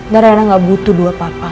dan rena gak butuh dua papa